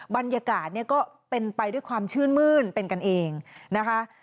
บรรยากาศเนี่ยก็เป็นไปด้วยความชื่นมื้นเป็นกันเองนะคะ